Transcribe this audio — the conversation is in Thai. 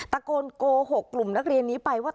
โกโกหกกลุ่มนักเรียนนี้ไปว่า